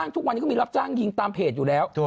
ทุกวันนี้ก็มีรับจ้างยิงตามเพจอยู่แล้ว